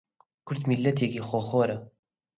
کورد میللەتێکی خۆخۆرە